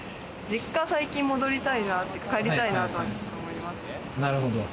実家、最近帰りたいなって、ちょっと思いますね。